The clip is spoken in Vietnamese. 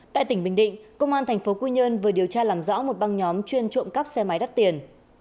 tại tỉnh bình định công an thành phố quy nhơn vừa điều tra làm rõ một băng nhóm chuyên trộm cắp xe máy đắt tiền